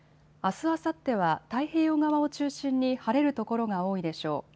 あすあさっては太平洋側を中心に晴れる所が多いでしょう。